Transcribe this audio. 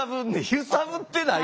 ゆさぶってない？